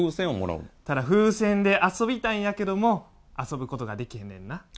ただ風船で遊びたいんやけども遊ぶことができへんねんな。